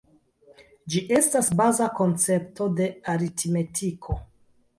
Ĝi estas baza koncepto de aritmetiko.